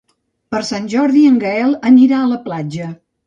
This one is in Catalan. Per Sant Jordi en Gaël anirà a la platja.